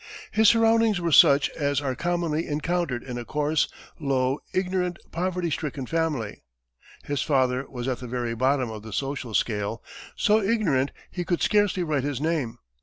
His surroundings were such as are commonly encountered in a coarse, low, ignorant, poverty stricken family. His father was at the very bottom of the social scale, so ignorant he could scarcely write his name.